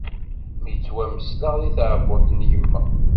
Mi ttwamesleɣ di tɛebbuḍt n yemma.